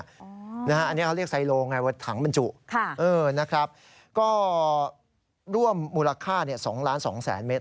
อันนี้เขาเรียกไซโลไงว่าถังบรรจุนะครับก็ร่วมมูลค่า๒๒๐๐๐เมตร